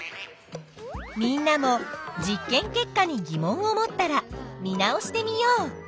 みんなも実験結果に疑問を持ったら見直してみよう。